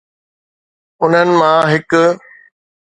انهن مان هڪ